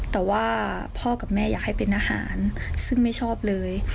แต่ว่าพ่อกับแม่อยากให้เป็นอาหารซึ่งไม่ชอบเลย